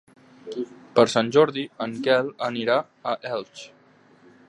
Per Sant Jordi en Quel anirà a Elx.